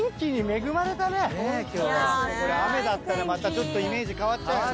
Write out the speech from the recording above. これ雨だったらまたちょっとイメージ変わっちゃうよね。